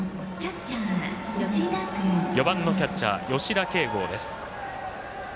４番のキャッチャー、吉田慶剛。